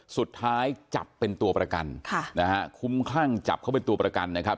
สุดท้ายจับเป็นตัวประกันค่ะนะฮะคุ้มคลั่งจับเขาเป็นตัวประกันนะครับ